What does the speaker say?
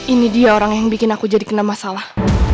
ini dia orang yang bikin aku jadi kena masalah